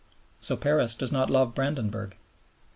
So Paris dare not love Brandenburg.